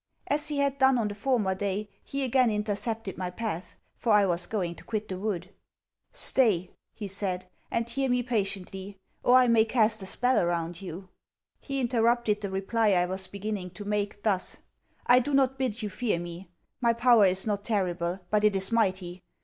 As he had done on the former day, he again intercepted my path; for I was going to quit the wood. 'Stay,' he said, 'and hear me patiently; or I may cast a spell around you!' He interrupted the reply I was beginning to make, thus 'I do not bid you fear me. My power is not terrible, but it is mighty.